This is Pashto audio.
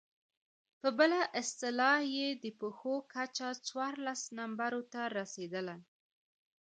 په بله اصطلاح يې د پښو کچه څوارلس نمبرو ته رسېدله.